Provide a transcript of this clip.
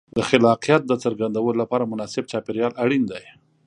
د خلاقیت د څرګندولو لپاره مناسب چاپېریال اړین دی.